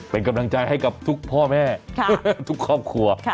เป็นกำลังใจให้กับทุกพ่อแม่ทุกครอบครัว